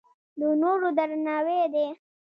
د نورو درناوی ده.